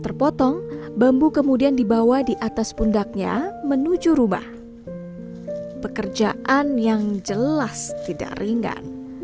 terpotong bambu kemudian dibawa di atas pundaknya menuju rumah pekerjaan yang jelas tidak ringan